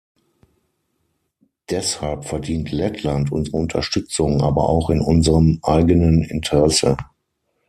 Deshalb verdient Lettland unsere Unterstützung, aber auch in unserem eigenen Interesse.